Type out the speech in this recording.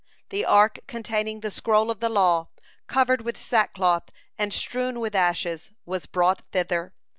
The Ark containing the scroll of the law, covered with sackcloth and strewn with ashes, was brought thither.